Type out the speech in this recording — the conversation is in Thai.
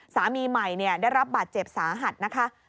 สามีใหม่ได้รับบาดเจ็บสาหัสนะคะ